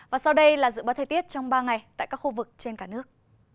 và sau đây là dự báo thời tiết trong ba ngày tại các khu vực trên cả nước